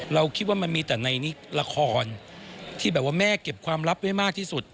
เราคิดว่ามันมีแต่ในละครที่แบบว่าแม่เก็บความลับไว้มากที่สุด